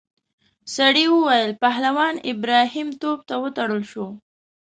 سړي وویل پهلوان ابراهیم توپ ته وتړل شو.